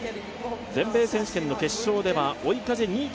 全米選手権の決勝では追い風２．９ｍ。